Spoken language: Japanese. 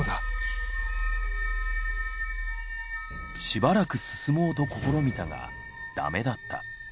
しばらく進もうと試みたが駄目だった。